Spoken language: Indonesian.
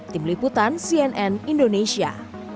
tim liputan cnn indonesia